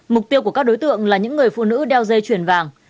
mục tiêu của các đối tượng là những người phụ nữ đeo dây chuyển vàng